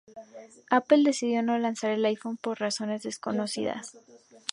Apple decidió no lanzar el iPhone, por razones desconocidas.